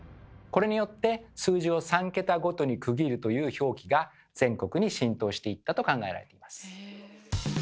これによって数字を３桁ごとに区切るという表記が全国に浸透していったと考えられています。